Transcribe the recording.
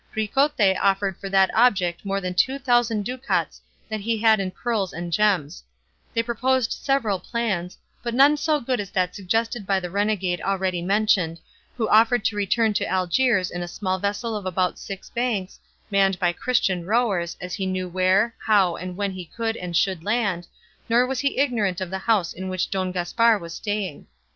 Ricote offered for that object more than two thousand ducats that he had in pearls and gems; they proposed several plans, but none so good as that suggested by the renegade already mentioned, who offered to return to Algiers in a small vessel of about six banks, manned by Christian rowers, as he knew where, how, and when he could and should land, nor was he ignorant of the house in which Don Gaspar was staying.